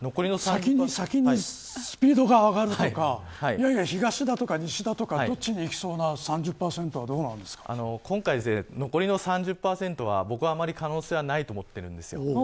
先にスピードが上がるのか東だとか西だとか今回、残りの３０％はあまり可能性はないと思っているんです。